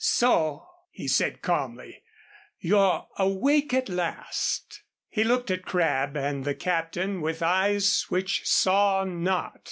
"So," he said calmly, "you're awake at last!" He looked at Crabb and the Captain with eyes which saw not.